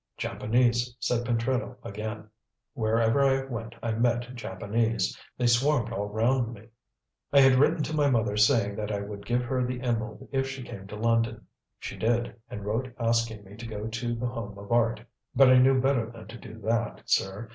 "Japanese," said Pentreddle again. "Wherever I went I met Japanese. They swarmed all round me. I had written to my mother saying that I would give her the emerald if she came to London. She did, and wrote asking me to go to The Home of Art. But I knew better than to do that, sir.